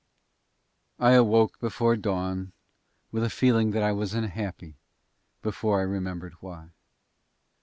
I awoke before dawn with a feeling that I was unhappy before I remembered why.